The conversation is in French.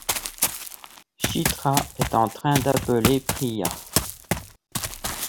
Chitra est en train d'appeler Priya ?